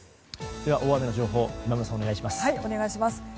では、大雨の情報今村さん、お願いします。